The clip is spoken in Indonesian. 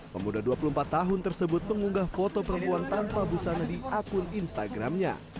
pemuda dua puluh empat tahun tersebut mengunggah foto perempuan tanpa busana di akun instagramnya